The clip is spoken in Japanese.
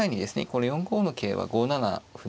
この４五の桂は５七歩